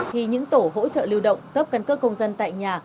thì những tổ hỗ trợ lưu động cấp căn cước công dân tại nhà